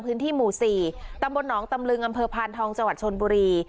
พื้นที่หมู่๔ตำบลหนองตำลึงอำเภอพานทองจังหวัดชนบุรี